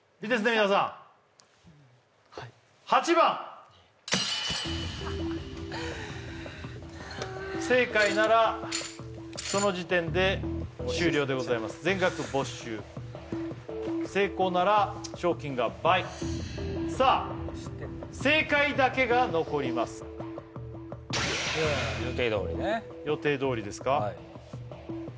皆さんはい８番不正解ならその時点で終了でございます全額没収成功なら賞金が倍さあ正解だけが残ります予定どおりね予定どおりですか？